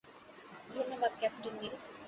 ধন্যবাদ, ক্যাপ্টেন নিল।